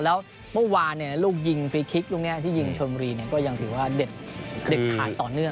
แล้วเมื่อวานลูกยิงฟรีคลิกลูกนี้ที่ยิงชนบุรีก็ยังถือว่าเด็ดขาดต่อเนื่อง